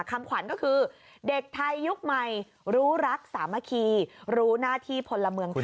คำขวัญก็คือเด็กไทยยุคใหม่รู้รักสามัคคีรู้หน้าที่พลเมืองไทย